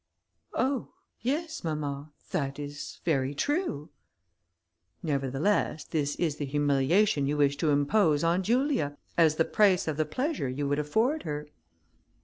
"Oh! yes, mamma, that is very true." "Nevertheless this is the humiliation you wish to impose on Julia, as the price of the pleasure you would afford her."